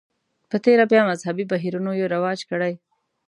په تېره بیا مذهبي بهیرونو یې رواج کړي.